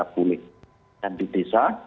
pulih dan di desa